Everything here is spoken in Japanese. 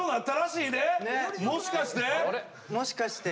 もしかして？